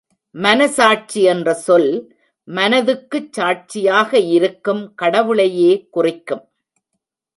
மனசாட்சி என்ற சொல், மனத்துக்குச் சாட்சியாக இருக்கும் கடவுளையே குறிக்கும்.